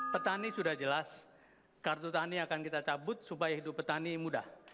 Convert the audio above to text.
petani sudah jelas kartu tani akan kita cabut supaya hidup petani mudah